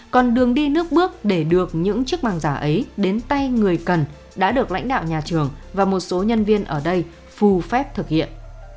còn đường đi nước bước để được những chiếc màng giả ấy đến tay người cần đã được lãnh đạo nhà trường và một số nhân viên ở đây phù phép thực hiện